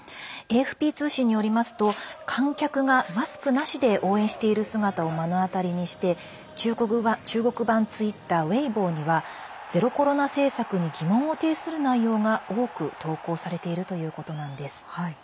ＡＦＰ通信によると観客がマスクなしで応援している姿を目の当たりにして中国版ツイッターウェイボーにはゼロコロナ政策に疑問を呈する内容が多く投稿されているということなんです。